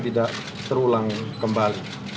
tidak terulang kembali